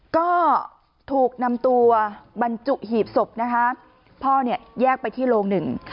ก็ถูกนำตัวบรรจุหีบศพพ่อแยกไปที่โรงหนึ่ง